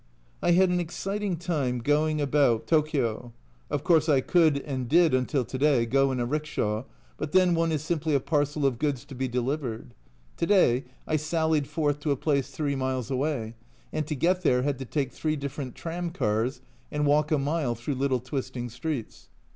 I had an exciting time going about 4 A Journal from Japan Tokio ; of course I could (and did until to day) go in a rickshaw, but then one is simply a parcel of goods to be delivered. To day I sallied forth to a place three miles away, and to get there had to take three different tram cars and walk a mile through little twisting streets.